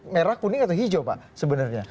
merah kuning atau hijau pak sebenarnya